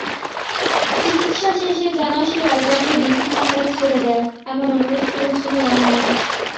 চিকিৎসা শেষে যেন শিয়ালটাকে ডিসি পাহাড়ে ছেড়ে দেয়, এমন অনুরোধ করেছিল রহমান।